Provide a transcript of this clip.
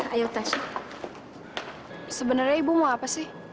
ayo tes sebenarnya ibu mau apa sih